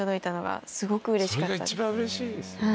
すごくうれしかったです。